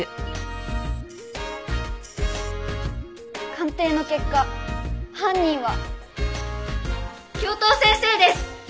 鑑定の結果犯人は教頭先生です！